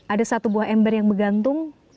ada satu buah ember yang bergantung